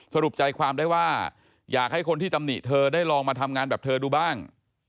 สรุปใจความได้ว่าอยากให้คนที่ตำหนิเธอได้ลองมาทำงานแบบเธอดูบ้าง